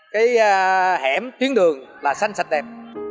chuyến đường là xanh sạch đẹp